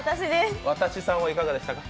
私さんはいかがですか？